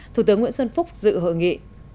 thủ tướng nguyễn xuân phúc dự hội nghị